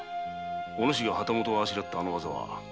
お主が旗本をあしらったあの技は関口流の柔術。